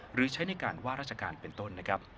หรือใช้ในการว่าราชการเป็นต้น